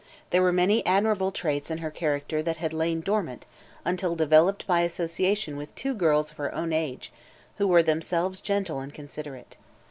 There were many admirable traits in her character that had lain dormant until developed by association with two girls of her own age who were themselves gentle and considerate.